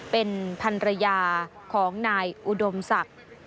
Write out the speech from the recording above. เป็นพันรยาของนายอุดมศักดิ์